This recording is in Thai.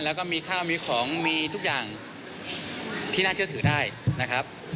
แล้วก็มีข้าวมีของมีทุกอย่างที่น่าเชื่อถือได้นะครับ